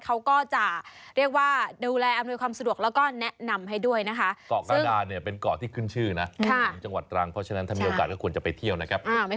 เขาก็จะเรียกว่าดูแลอำนวยความสะดวกแล้วก็แนะนำให้ด้วยนะคะ